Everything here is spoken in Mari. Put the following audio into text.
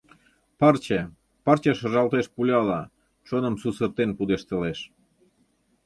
Пырче, пырче шыжалтеш пуляла, чоным сусыртен пудештылеш!